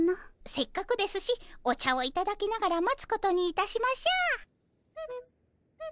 せっかくですしお茶をいただきながら待つことにいたしましょう。